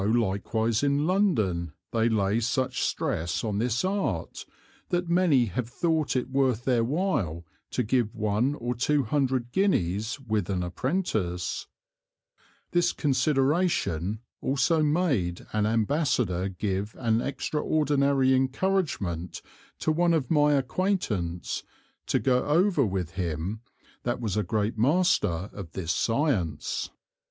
So likewise in London they lay such stress on this Art, that many have thought it worth their while to give one or two hundred Guineas with an Apprentice: This Consideration also made an Ambassador give an extraordinary Encouragement to one of my Acquaintance to go over with him, that was a great Master of this Science.